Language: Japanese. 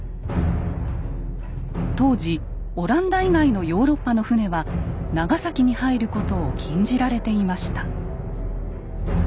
当時オランダ以外のヨーロッパの船は長崎に入ることを禁じられていました。